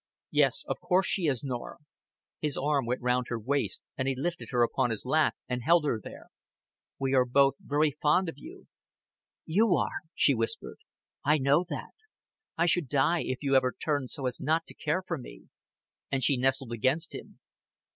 "Yes, of course she is, Norah." His arm was round her waist, and he lifted her upon his lap, and held her there. "We are both very fond of you." "You are," she whispered. "I know that.... I should die if you ever turned so as not to care for me;" and she nestled against him.